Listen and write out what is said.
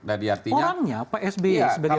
orangnya pak sby sebagai mantan presiden